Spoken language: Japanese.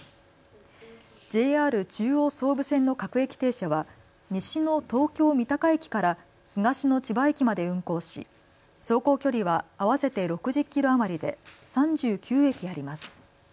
ＪＲ中央・総武線の各駅停車は西の東京三鷹駅から東の千葉駅まで運行し走行距離は合わせて６０キロ余りで３９駅あります。